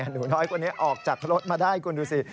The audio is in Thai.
หนูน้อยคนนี้ออกจากรถมาได้คุณดูสิ